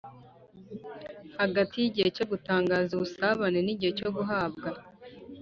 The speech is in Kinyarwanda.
Hagati y igihe cyo gutangaza ubusabe n igihe cyo guhabwa